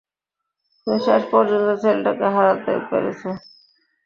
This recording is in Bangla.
তুমি শেষ পর্যন্ত ছেলেটাকে হারাতে পেরেছ।